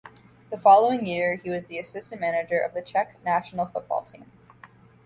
The following year, he was the assistant manager of the Czech National Football Team.